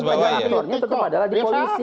sebagai aktornya tetap adalah di polisi